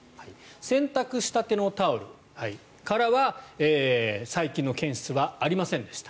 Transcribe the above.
洗濯したてのタオルからは細菌の検出はありませんでした。